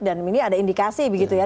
dan ini ada indikasi begitu ya